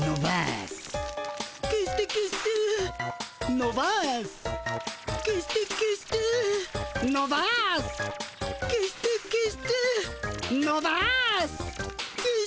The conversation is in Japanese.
のばす。